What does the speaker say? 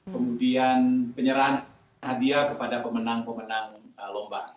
kemudian penyerahan hadiah kepada pemenang pemenang lomba